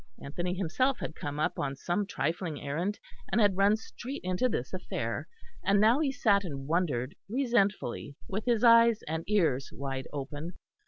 Anthony himself had come up on some trifling errand, and had run straight into this affair; and now he sat and wondered resentfully, with his eyes and ears wide open.